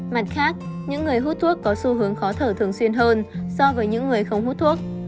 mặt khác những người hút thuốc có xu hướng khó thở thường xuyên hơn so với những người không hút thuốc